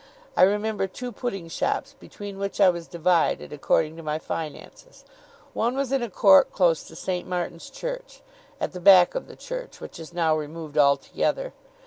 I remember two pudding shops, between which I was divided, according to my finances. One was in a court close to St. Martin's Church at the back of the church, which is now removed altogether.